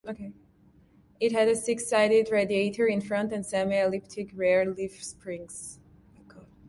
It had a six-sided radiator in front and semi-elliptic rear leaf springs.